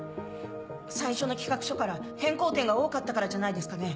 最初の企画書から変更点が多かったからじゃないですかね？